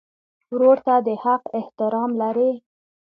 ورور ته د حق احترام لرې.